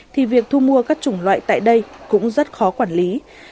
thì việc thu mua các chủng loại tại đây cũng rất khó quản lý